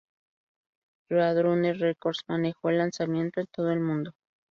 Roadrunner Records manejó el lanzamiento en todo el mundo.